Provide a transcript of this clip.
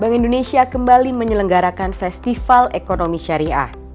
bank indonesia kembali menyelenggarakan festival ekonomi syariah